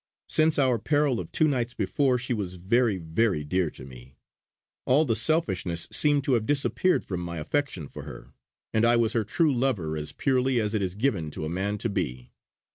Since our peril of two nights before, she was very, very dear to me. All the selfishness seemed to have disappeared from my affection for her, and I was her true lover as purely as it is given to a man to be.